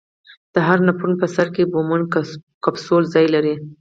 د هر نفرون په سر کې بومن کپسول ځای لري.